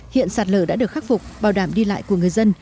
hiện sạt lở đã được khắc phục bảo đảm đi lại của người dân